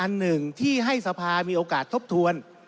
อันหนึ่งที่ให้สภามีโอกาสทบทวน